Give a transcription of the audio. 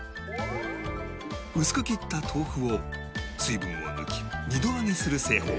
薄く切った豆腐を水分を抜き２度揚げする製法